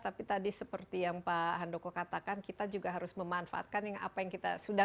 tapi tadi seperti yang pak handoko katakan kita juga harus memanfaatkan yang apa yang kita sudah